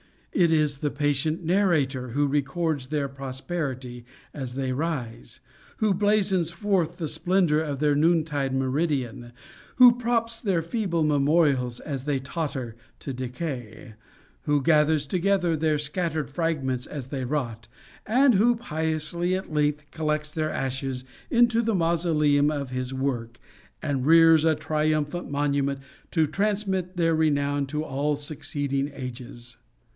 It is the patient narrator who records their prosperity as they rise who blazons forth the splendor of their noontide meridian who props their feeble memorials as they totter to decay who gathers together their scattered fragments as they rot and who piously, at length, collects their ashes into the mausoleum of his work, and rears a triumphant monument to transmit their renown to all succeeding ages.